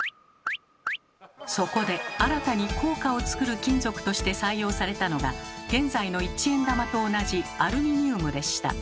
そこで新たに硬貨をつくる金属として採用されたのが現在の一円玉と同じアルミニウムでした。